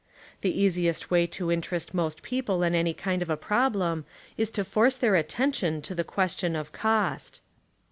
The easiest way to interest most people in any kind of a problem is to force their attention to the question of cost.